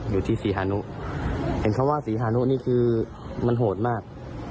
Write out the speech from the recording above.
อยู่ที่ศรีฮานุเห็นเขาว่าศรีฮานุนี่คือมันโหดมาก